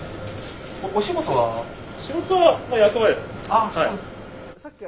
あっそうですか。